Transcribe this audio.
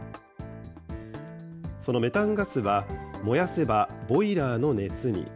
そのメタンガスは、燃やせばボイラーの熱に。